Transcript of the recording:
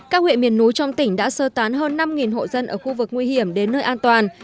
các huyện miền núi trong tỉnh đã sơ tán hơn năm hộ dân ở khu vực nguy hiểm đến nơi an toàn